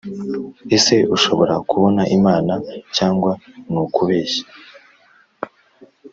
Ese ushobora kubona Imana cyangwa nukubeshya